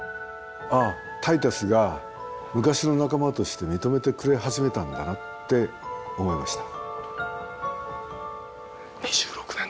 「ああタイタスが昔の仲間として認めてくれ始めたんだな」って思いました。